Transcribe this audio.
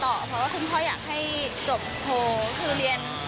เพราะว่าคุณพ่ออยากให้จบโทรคือเรียน